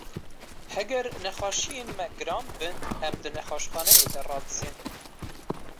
Heger nexweşiyên me giran bin, em di nexweşxaneyê de radizên.